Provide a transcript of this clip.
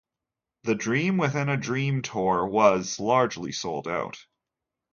The Dream Within a Dream Tour was largely sold out.